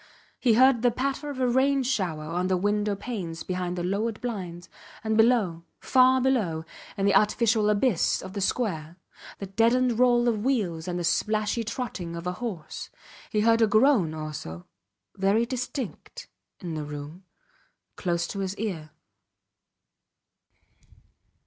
He heard the patter of a rain shower on the window panes behind the lowered blinds, and below, far below, in the artificial abyss of the square, the deadened roll of wheels and the splashy trotting of a horse. He heard a groan also very distinct in the room close to his ear.